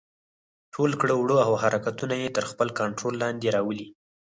ټول کړه وړه او حرکتونه يې تر خپل کنټرول لاندې راولي.